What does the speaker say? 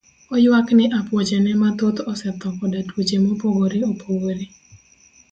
Oywak ni apuoche ne mathoth osetho koda tuoche mopogore opogore.